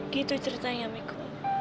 gitu ceritanya miku